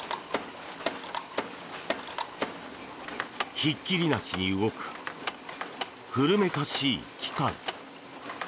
ひっきりなしに動く古めかしい機械。